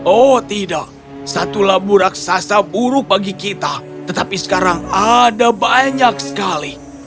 oh tidak satu labu raksasa buruk bagi kita tetapi sekarang ada banyak sekali